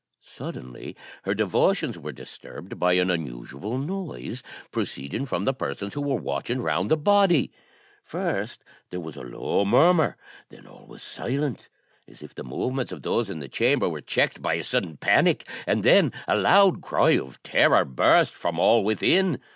Suddenly her devotions were disturbed by an unusual noise, proceeding from the persons who were watching round the body. First there was a low murmur, then all was silent, as if the movements of those in the chamber were checked by a sudden panic, and then a loud cry of terror burst from all within.